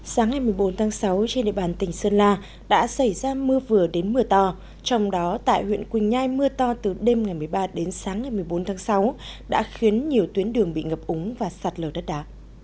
sáng ngày một mươi bốn tháng sáu trên địa bàn tỉnh sơn la đã xảy ra mưa vừa đến mưa to trong đó tại huyện quỳnh nhai mưa to từ đêm ngày một mươi ba đến sáng ngày một mươi bốn tháng sáu đã khiến nhiều tuyến đường bị ngập úng và sạt lở đất đá